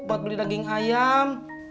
buat beli daging ayam